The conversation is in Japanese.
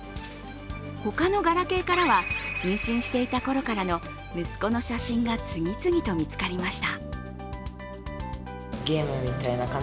他のガラケーからは妊娠していた頃からの息子の写真が次々と見つかりました。